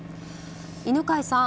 犬飼さん